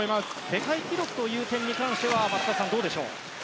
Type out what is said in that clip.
世界記録という点に関しては松田さん、いかがでしょう。